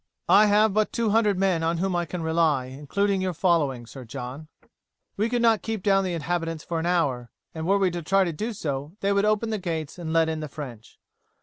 "I have but two hundred men on whom I can rely, including your following, Sir John. We could not keep down the inhabitants for an hour; and were we to try to do so, they would open the gates and let in the French.